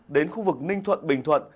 đến khu vực ninh thuận bình thuận